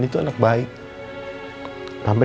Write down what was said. tulang kesel rin